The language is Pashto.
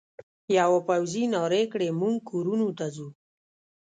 یوه پوځي نارې کړې: موږ کورونو ته ځو.